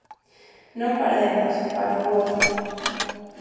Non para elas, para o home.